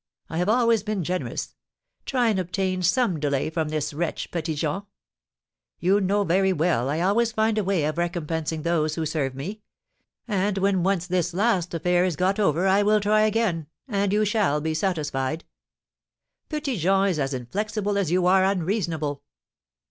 I have always been generous. Try and obtain some delay from this wretch, Petit Jean. You know very well I always find a way of recompensing those who serve me; and when once this last affair is got over I will try again, and you shall be satisfied." "Petit Jean is as inflexible as you are unreasonable."